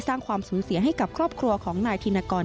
สร้างความสูญเสียให้กับครอบครัวของนายธินกร